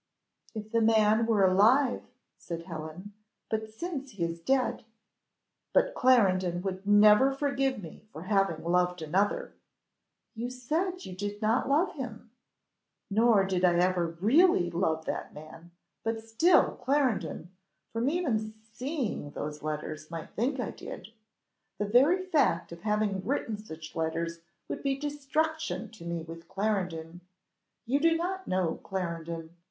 "If the man were alive," said Helen, "but since he is dead " "But Clarendon would never forgive me for having loved another " "You said you did not love him." "Nor did I ever really love that man; but still Clarendon, from even seeing those letters, might think I did. The very fact of having written such letters would be destruction to me with Clarendon. You do not know Clarendon.